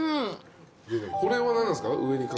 これは何なんすか？